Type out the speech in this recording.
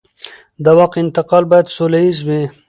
د واک انتقال باید سوله ییز وي